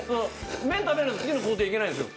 麺を食べないと次の工程いけないんですよ。